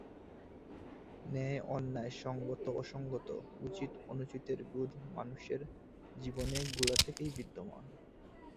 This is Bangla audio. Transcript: ন্যায়-অন্যায়, সঙ্গত-অসঙ্গত, উচিত-অনুচিতের বোধ মানুষের জীবনে গোড়া থেকেই বিদ্যমান।